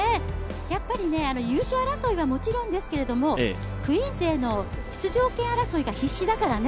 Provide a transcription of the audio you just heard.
やっぱり優勝争いはもちろんですけれども、クイーンズへの出場権が必死だからね